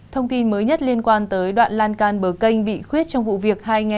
thông tin mới nhất liên quan tới đoạn lan can bờ canh bị khuyết trong vụ việc